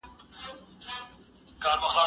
زه پرون د کتابتون پاکوالی کوم!؟